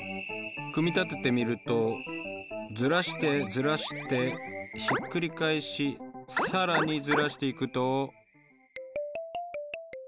組み立ててみるとずらしてずらしてひっくり返し更にずらしていくと。